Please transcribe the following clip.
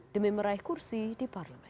demi meraih kursi di parlemen